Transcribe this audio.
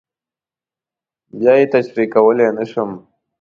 بیا یې تشریح کولی نه شم.